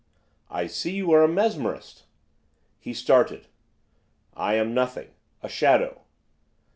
'I see you are a mesmerist.' He started. 'I am nothing, a shadow!